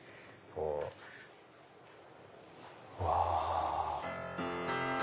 うわ。